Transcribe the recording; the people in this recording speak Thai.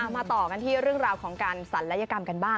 มาต่อกันที่เรื่องราวของการศัลยกรรมกันบ้าง